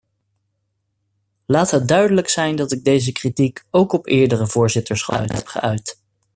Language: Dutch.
Laat het duidelijk zijn dat ik deze kritiek ook op eerdere voorzitterschappen heb geuit.